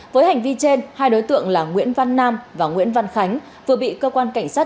với hành vi trên hai đối tượng là nguyễn văn nam và nguyễn văn khánh vừa bị cơ quan cảnh sát